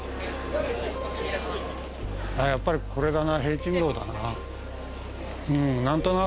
やっぱりこれだな。